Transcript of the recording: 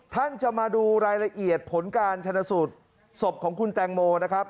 ท่านจะมาดูรายละเอียดผลการชนะสูตรศพของคุณแตงโมนะครับ